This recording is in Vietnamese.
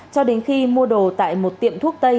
cho đến khi mua đồ tại một tiệm thuốc tây